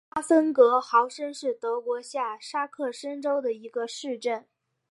阿芬格豪森是德国下萨克森州的一个市镇。